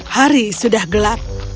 hari sudah gelap